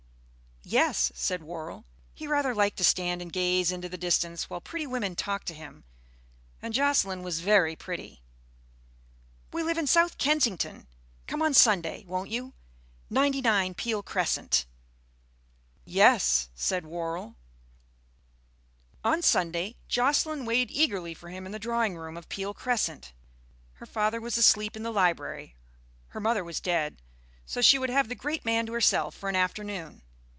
"Yes," said Worrall. He rather liked to stand and gaze into the distance while pretty women talked to him. And Jocelyn was very pretty. "We live in South Kensington. Come on Sunday, won't you? 99, Peele Crescent." "Yes," said Worrall. On Sunday Jocelyn waited eagerly for him in the drawing room of Peele Crescent. Her father was asleep in the library, her mother was dead; so she would have the great man to herself for an afternoon.